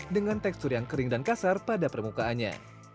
dengan tekstur yang kering dan kasar pada permukaannya